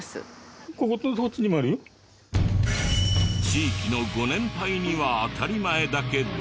地域のご年配には当たり前だけど